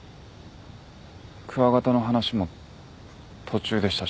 クワガタの話も途中でしたし。